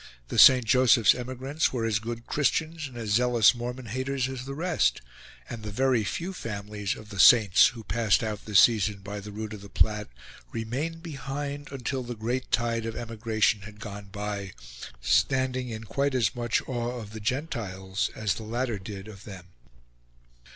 The St. Joseph's emigrants were as good Christians and as zealous Mormon haters as the rest; and the very few families of the "Saints" who passed out this season by the route of the Platte remained behind until the great tide of emigration had gone by; standing in quite as much awe of the "gentiles" as the latter did of them.